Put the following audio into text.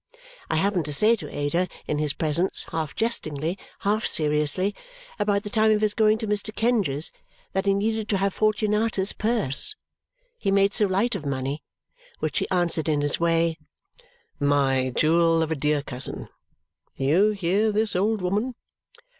I happened to say to Ada, in his presence, half jestingly, half seriously, about the time of his going to Mr. Kenge's, that he needed to have Fortunatus' purse, he made so light of money, which he answered in this way, "My jewel of a dear cousin, you hear this old woman!